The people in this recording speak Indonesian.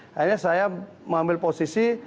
akhirnya saya mengambil posisi